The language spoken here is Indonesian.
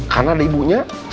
karena ada ibunya